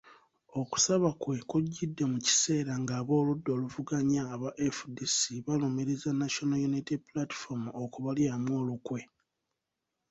Okusaba kwe kujjidde mu kiseera nga ab’oludda oluvuganya aba FDC balumiriza National Unity Platform okubalyamu olukwe .